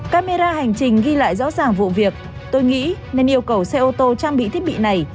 camera hành trình ghi lại rõ ràng vụ việc tôi nghĩ nên yêu cầu xe ô tô trang bị thiết bị này